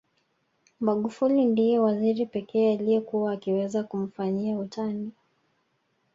Magufuli ndiye waziri pekee aliyekuwa akiweza kumfanyia utani